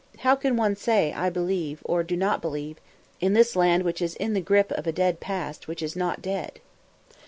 How can one say, I believe, or do not believe, in this land which is in the grip of a dead past which is not dead?"